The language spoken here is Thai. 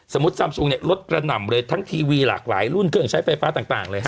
ซำซุงเนี่ยรถกระหน่ำเลยทั้งทีวีหลากหลายรุ่นเครื่องใช้ไฟฟ้าต่างเลยฮ